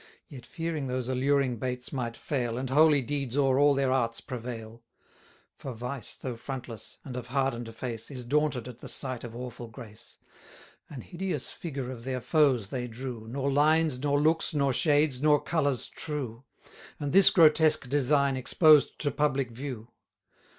Yet fearing those alluring baits might fail, And holy deeds o'er all their arts prevail; 1040 (For vice, though frontless, and of harden'd face, Is daunted at the sight of awful grace;) An hideous figure of their foes they drew, Nor lines, nor looks, nor shades, nor colours true; And this grotesque design exposed to public view.